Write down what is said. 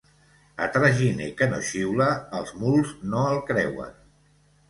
A traginer que no xiula, els muls no el creuen.